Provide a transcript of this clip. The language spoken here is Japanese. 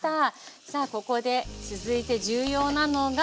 さあここで続いて重要なのがこちら。